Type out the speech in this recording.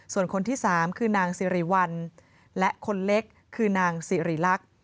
ส่วนคนที่๓คือนางสิริวัลและคนเล็กคือนางสิริลักษณ์